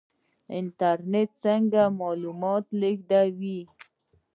انټرنیټ څنګه معلومات لیږدوي؟